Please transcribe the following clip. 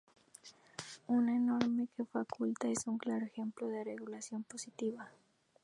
Una norma que faculta, es un claro ejemplo de regulación positiva.